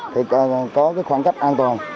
thì có cái khoảng cách an toàn